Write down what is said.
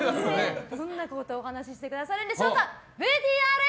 どんなことをお話してくださるんでしょうか。